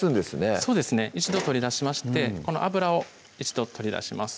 そうですね一度取り出しましてこの油を一度取り出します